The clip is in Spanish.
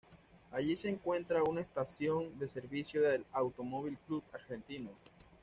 Allí se encuentra una estación de Servicio del Automóvil Club Argentino.